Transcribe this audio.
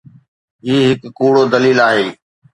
هي هڪ ڪوڙو دليل آهي.